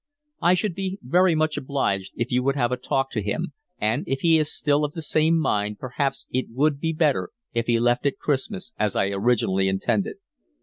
I should be very much obliged if you would have a talk to him, and if he is still of the same mind perhaps it would be better if he left at Christmas as I originally intended.